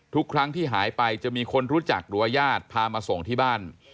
ทุกครั้งที่หายไปจะมีคนรู้จักหรือว่าญาติพามาส่งที่บ้าน